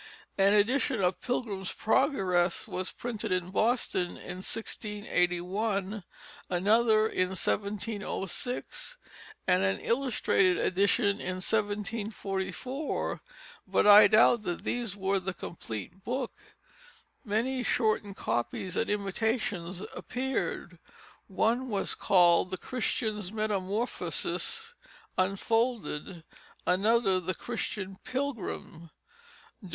An edition of Pilgrim's Progress was printed in Boston in 1681, another in 1706, and an illustrated edition in 1744, but I doubt that these were the complete book. Many shortened copies and imitations appeared. One was called The Christian's Metamorphosis Unfolded. Another The Christian Pilgrim. Dr.